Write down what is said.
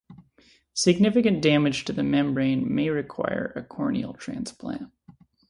Significant damage to the membrane may require a corneal transplant.